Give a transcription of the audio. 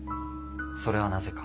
それはなぜか？